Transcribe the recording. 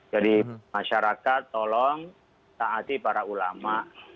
jadi masyarakat tolong ta'atih para ulama